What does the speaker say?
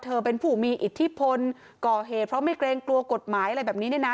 เป็นผู้มีอิทธิพลก่อเหตุเพราะไม่เกรงกลัวกฎหมายอะไรแบบนี้เนี่ยนะ